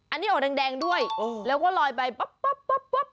อันนี้ออกแดงด้วยแล้วก็ลอยไปปั๊บ